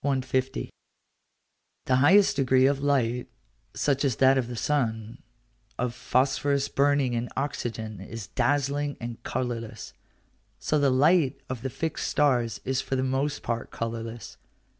150. The highest degree of light, such as that of the sun, of phosphorus burning in oxygen, is dazzling and colourless: so the light of the fixed stars is for the most part colourless.